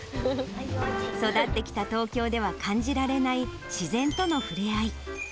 育ってきた東京では感じられない、自然との触れ合い。